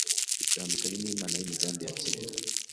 Bitandukanye nimana yimigani ya kera,